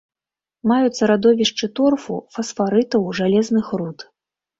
Маюцца радовішчы торфу, фасфарытаў, жалезных руд.